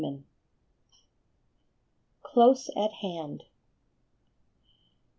Jl CLOSE AT HAND.